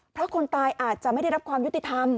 เพราะคนตายอาจจะไม่ได้รับความยุติธรรม